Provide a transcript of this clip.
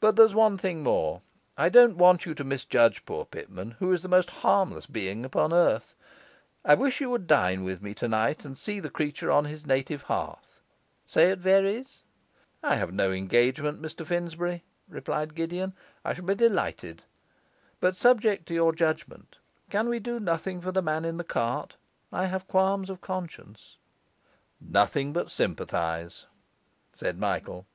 'But there's one thing more. I don't want you to misjudge poor Pitman, who is the most harmless being upon earth. I wish you would dine with me tonight, and see the creature on his native heath say at Verrey's?' 'I have no engagement, Mr Finsbury,' replied Gideon. 'I shall be delighted. But subject to your judgement, can we do nothing for the man in the cart? I have qualms of conscience.' 'Nothing but sympathize,' said Michael.